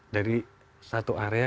dari satu area